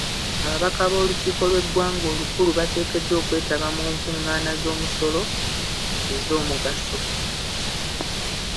Ababaka b'olukiiko lw'eggwanga olukulu bateekeddwa okwetaba mu nkungaana z'omusolo ez'omugaso.